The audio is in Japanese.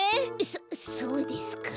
そっそうですか。